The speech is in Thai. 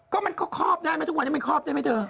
ก็มันก็ครอบได้ไหมทุกวันนี้มันครอบได้ไหมเธอ